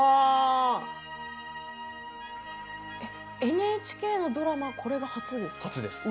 ＮＨＫのドラマはこれが初ですか。